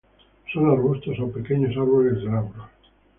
Son arbustos o pequeños árboles glabros.